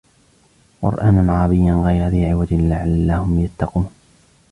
قرآنا عربيا غير ذي عوج لعلهم يتقون